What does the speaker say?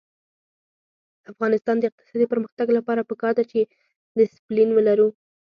د افغانستان د اقتصادي پرمختګ لپاره پکار ده چې دسپلین ولرو.